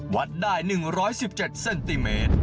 วัดได้๑๑๗เซนติเมตร